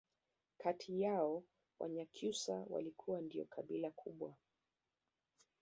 kati yao Wanyakyusa walikuwa ndio kabila kubwa